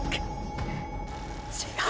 違う！